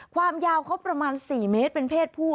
ความยาวเขาประมาณ๔เมตรเป็นเพศผู้